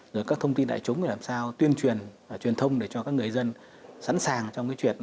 rồi các thông tin đại chúng để làm sao tuyên truyền truyền thông để cho các người dân sẵn sàng trong cái chuyện